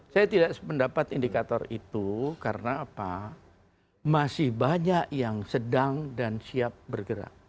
saya tidak sependapat indikator itu karena apa masih banyak yang sedang dan siap bergerak